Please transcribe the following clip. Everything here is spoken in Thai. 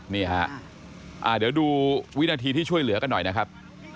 นี่ฮะเดี๋ยวดูวินาทีที่ช่วยเหลือกันหน่อยนะครับ